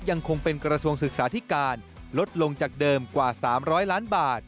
ยังคงเป็นกระทรวงศึกษาธิการลดลงจากเดิมกว่า๓๐๐ล้านบาท